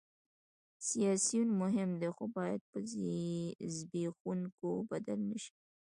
سیاسیون مهم دي خو باید په زبېښونکو بدل نه شي